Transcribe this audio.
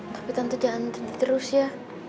tapi tante jangan terdiri terus ya